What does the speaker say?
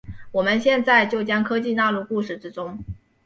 我们现在就将科技纳入故事之中。